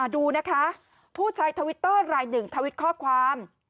ดูนะคะผู้ใช้ทวิตเตอร์รายหนึ่งทวิตข้อความ